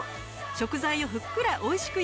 食材をふっくら美味しく